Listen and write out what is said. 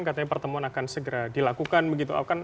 katanya pertemuan akan segera dilakukan begitu